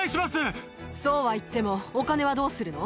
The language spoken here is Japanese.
そうは言っても、お金はどうするの？